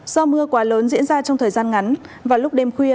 do mưa quá lớn diễn ra trong thời gian ngắn và lúc đêm khuya